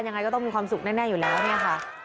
ยังไงก็ต้องมีความสุขแน่อยู่แล้วเนี่ยค่ะ